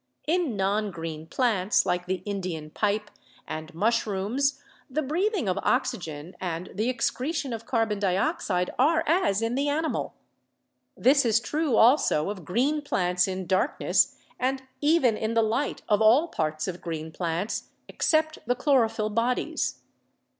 In non green plants like the Indian pipe and mushrooms the breathing of oxygen and the excretion of carbon dioxide are as in the animal. This is true also of green plants in darkness and even in the light of all parts of green plants except the chlorophyll bodies.